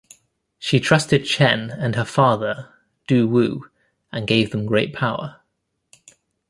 She trusted Chen and her father Dou Wu, and gave them great power.